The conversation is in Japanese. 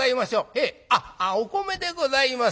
ええお米でございますか。